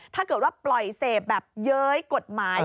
ถ้าเกิดว่าปล่อยเสพแบบเย้ยกฎหมาย